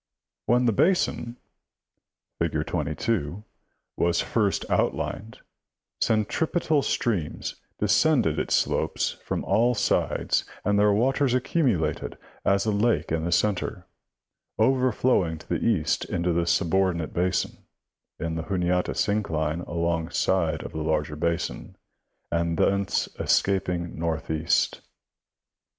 When the basin, BT, fig. 22, was first outlined, centripetal streams descended its slopes from all sides and their waters accumu lated as a lake in the center, overflowing to the east into the subordinate basin, A, in the Juniata syncline along side of the larger basin, and thence escaping northeast.